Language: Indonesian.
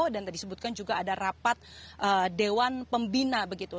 dan disebutkan juga ada rapat dewan pembina begitu